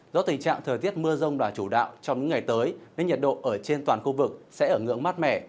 do tình trạng thời tiết mưa rông là chủ đạo trong những ngày tới nên nhiệt độ ở trên toàn khu vực sẽ ở ngưỡng mát mẻ